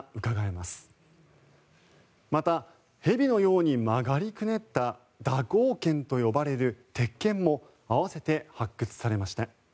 また、蛇のように曲がりくねった蛇行剣と呼ばれる鉄剣も併せて発掘されました。